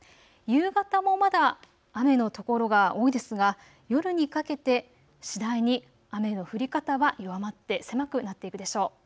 夕方もまだ雨の所が多いですが夜にかけて次第に雨の降り方は弱まって狭くなっていくでしょう。